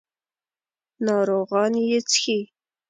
ناروغان یې څښي.